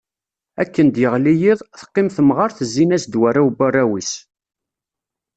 Akken d-yeɣli yiḍ, teqqim temɣert zzin-as-d warraw n warraw-is.